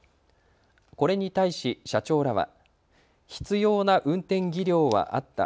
これに対し、社長らは必要な運転技量はあった。